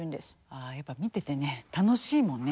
ああやっぱり見ててね楽しいもんね。